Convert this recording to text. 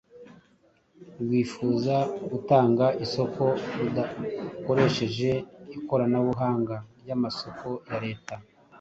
rwifuza gutanga isoko rudakoresheje ikoranabuhanga ry’amasoko ya Leta,